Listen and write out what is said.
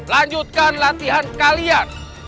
lanjutkan latihan kalian